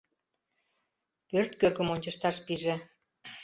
Пӧрт кӧргым ончышташ пиже.